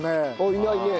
いないね。